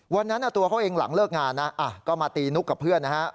วันนั้นตัวเขาเองหลังเลิกงานนะก็มาตีนุ๊กกับเพื่อนนะฮะ